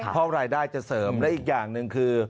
เพราะรายได้จะเสริมและอีกอย่างหนึ่งคือ